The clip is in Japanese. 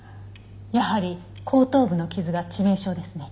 やはり後頭部の傷が致命傷ですね。